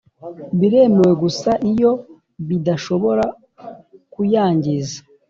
biremewe gusa iyo bidashobora kuyangiza.